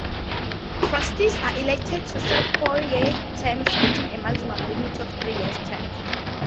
Trustees are elected to serve four-year terms, with a maximum limit of three terms.